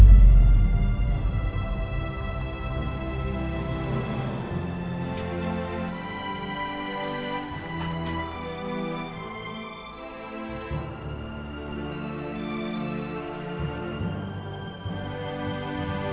sampai ketemu lagi